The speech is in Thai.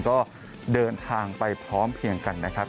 ก็เดินทางไปพร้อมเพียงกันนะครับ